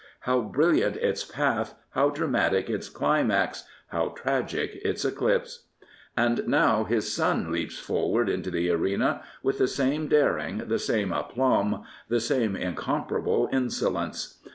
How brilliant its path, how dramatic its (Climax, how tragic its eclipse I And now his son leaps forward into the arena, with the same daring, the same aplogib, the same incomparable insolence.